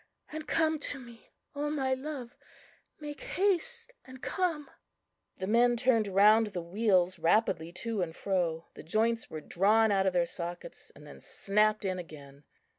And come to me, O my Love, make haste and come!" The men turned round the wheels rapidly to and fro; the joints were drawn out of their sockets, and then snapped in again.